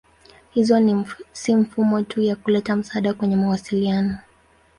Hizo si mifumo tu ya kuleta msaada kwenye mawasiliano.